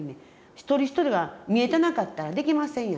一人一人が見えてなかったらできませんやん。